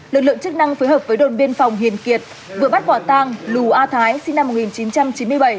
lực lượng chức năng phối hợp với đồn biên phòng hiền kiệt vừa bắt quả tang lù a thái sinh năm một nghìn chín trăm chín mươi bảy